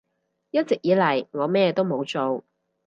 一直以嚟我咩都冇做